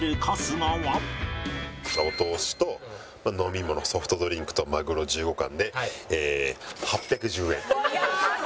お通しと飲み物ソフトドリンクとまぐろ１５貫で８１０円。